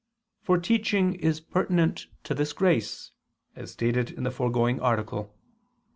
For teaching is pertinent to this grace, as stated in the foregoing Article.